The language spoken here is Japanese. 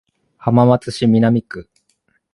浜松市南区